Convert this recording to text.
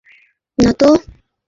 তিনি তাঁদের সাথে তা খেলেন।